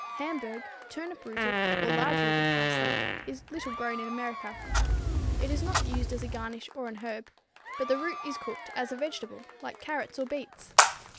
Hamburg, turnip rooted or large rooted parsley, is little grown in America. It is not used as a garnish or an herb, but the root is cooked as a vegetable like carrots or beets.